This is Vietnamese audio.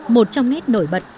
một trong nét nổi bật